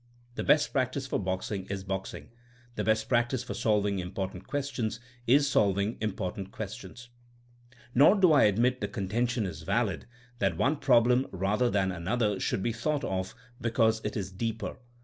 The best practice for boxing is boxing. The best prac tice for solving important questions is solving important questions. Nor do I admit the contention is valid that one problem rather than another should be thought of because it is *' deeper.